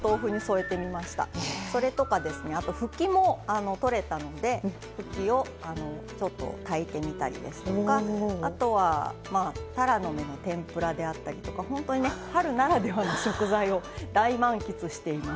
それとかあとふきもとれたのでふきをちょっと炊いてみたりあとはタラの芽の天ぷらであったりとか本当にね春ならではの食材を大満喫しています。